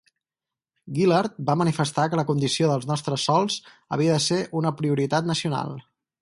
Gillard va manifestar que la condició dels nostres sòls havia de ser una prioritat nacional.